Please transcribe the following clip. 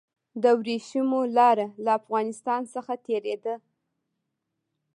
د ورېښمو لاره له افغانستان څخه تیریده